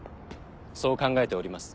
そう考えております。